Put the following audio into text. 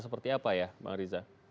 seperti apa ya bang riza